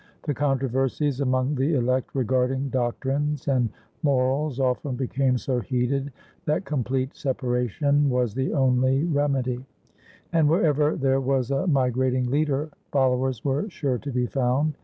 The controversies among the elect regarding doctrines and morals often became so heated that complete separation was the only remedy; and wherever there was a migrating leader followers were sure to be found.